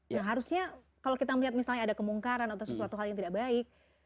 nah harusnya kalau kita melihat misalnya ada kemungkaran atau sesuatu hal yang tidak baik